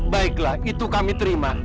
baiklah itu kami terima